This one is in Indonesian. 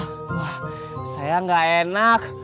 wah saya gak enak